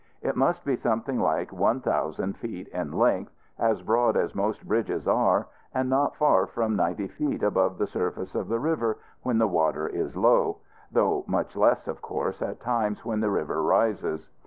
It must be something like one thousand feet in length, as broad as most bridges are, and not far from ninety feet above the surface of the river when the water is low; though much less, of course, at times when the river rises.